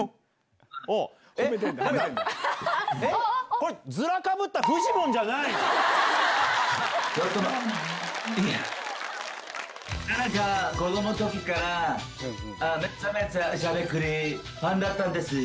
これ、タナカ、子どものときから、めちゃめちゃしゃべくりファンだったんです。